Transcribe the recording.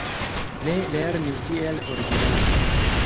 Ne lerni tiel ordinare.